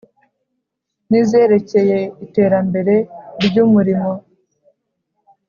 N izerekeye iterambere ry umurimo